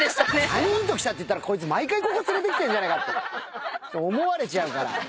３人と来たって言ったらこいつ毎回ここ連れてきてんじゃないかって思われちゃうから。